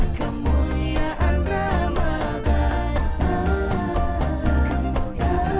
itulah kemuliaan ramadhan